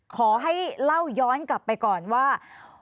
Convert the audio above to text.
ขอให้เล่าย้อนกลับไปก่อนว่า